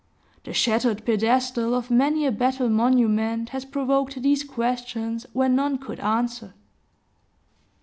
The shattered pedestal of many a battle monument has provoked these questions, when none could answer.